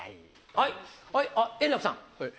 はいあっ円楽さん。